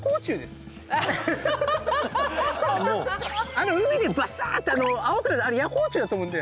あの海でバサって青くなるあれ夜光虫だと思うんで。